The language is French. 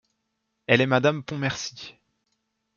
Elle est madame Pontmercy.